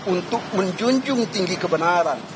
untuk menjunjung tinggi kebenaran